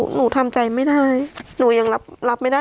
หนูทำใจไม่ได้หนูยังรับไม่ได้